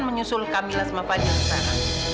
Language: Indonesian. menyusul kamil asma fadil sekarang